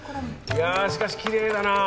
いやぁしかしきれいだなぁ。